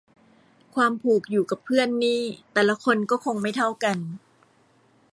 ความผูกอยู่กับเพื่อนนี่แต่ละคนก็คงไม่เท่ากัน